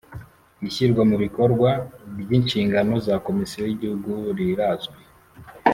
Ishyirwamubikorwa ry ‘inshingano za Komisiyo y’ Igihugu rirazwi